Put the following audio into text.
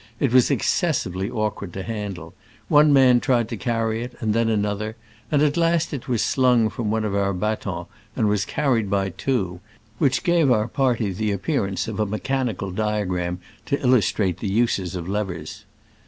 It was excessively awkward to handle : one man tried to carry it, and then another, and at last it was slung from one of our batons, and was carried by two, which gave our party the appearance of a mechanical di agram to illus trate the uses of levers.